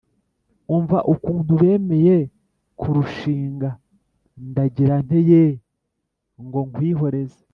umva ukuntu bemeye kurushingandagira nte yeee, ngo nkwihoreze